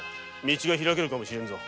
道が開けるかもしれんぞ。